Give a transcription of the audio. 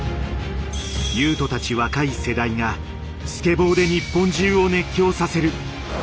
雄斗たち若い世代がスケボーで日本中を熱狂させる。